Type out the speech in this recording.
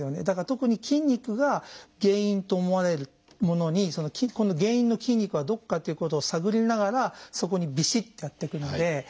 だから特に筋肉が原因と思われるものにこの原因の筋肉はどこかっていうことを探りながらそこにびしってやっていくので。